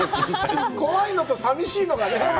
怖いのと寂しいのがね。